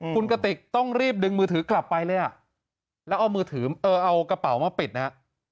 คุณกติกต้องรีบดึงมือถือกลับไปเลยอ่ะแล้วเอามือถือเออเอากระเป๋ามาปิดนะฮะ